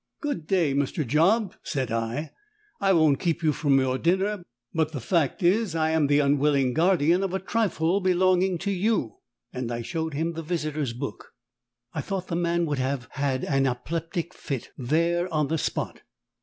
"Good day, Mr. Job," said I. "I won't keep you from your dinner, but the fact is, I am the unwilling guardian of a trifle belonging to you." And I showed him the Visitors' Book. I thought the man would have had an apoplectic fit there on the spot.